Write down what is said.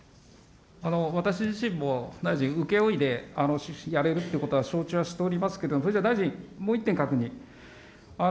私自身も、大臣、請け負いでやれるということは承知はしておりますけれども、それじゃ大臣、もう１点、確認。